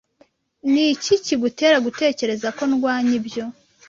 Ni iki kigutera gutekereza ko ndwanya ibyo?